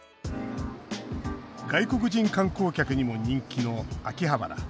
外国人観光客にも人気の秋葉原。